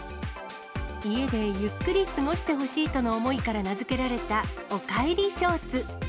家でゆっくり過ごしてほしいとの思いから名付けられた、おかえりショーツ。